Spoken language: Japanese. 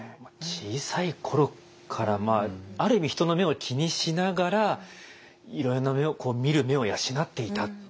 小さい頃からある意味人の目を気にしながらいろいろな目を見る目を養っていた。